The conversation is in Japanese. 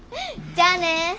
じゃあね。